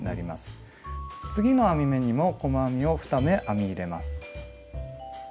次の編み目にも細編みを２目編み入れます。